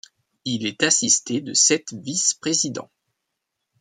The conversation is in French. Il est assisté de sept vice-présidents.